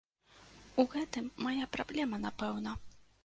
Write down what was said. У гэтым мая праблема, напэўна.